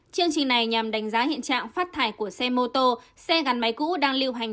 chương trình này nhằm đánh giá hiện trạng phát thải của xe mô tô xe gắn máy cũ đang lưu hành